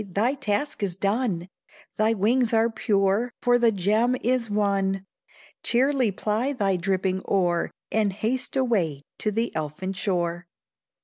thy task is done, Thy wings are pure, for the gem is won Cheerly ply thy dripping oar, And haste away to the elfin shore.